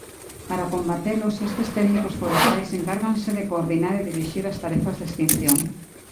Para combatelos, estes técnicos forestais encárganse de coordinar e dirixir as tarefas de extinción.